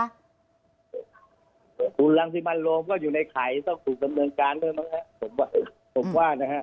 คุณรังสิมันโรมก็อยู่ในไขต้องถูกกำเนินการด้วยนะครับ